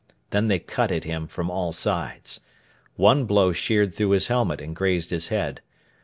Then they cut at him from all sides. One blow sheared through his helmet and grazed his head.